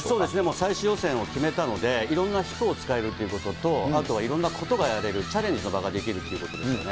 最終予選を決めたので、いろんな人を使えるということと、あとはいろんなことがやれる、チャレンジの場ができるということですよね。